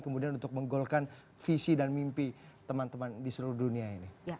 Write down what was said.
kemudian untuk menggolkan visi dan mimpi teman teman di seluruh dunia ini